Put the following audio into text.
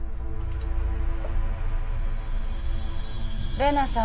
⁉・玲奈さん。